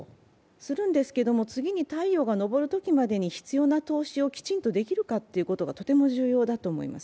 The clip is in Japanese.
するんですけど、次に太陽が昇るときまでに必要な投資をきちんとできるのかというのがとても重要だと思います。